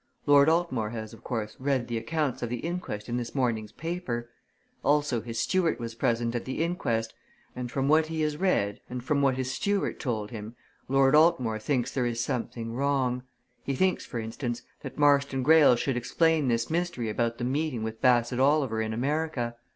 Lord Altmore has, of course, read the accounts of the inquest in this morning's paper. Also his steward was present at the inquest. And from what he has read, and from what his steward told him, Lord Altmore thinks there is something wrong he thinks, for instance, that Marston Greyle should explain this mystery about the meeting with Bassett Oliver in America.